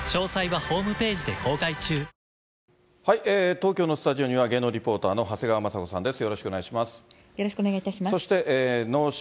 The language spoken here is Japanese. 東京のスタジオには芸能リポーターの長谷川まさ子さんです。